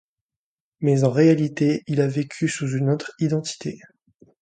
Mais en réalité il a vécu sous une autre identité.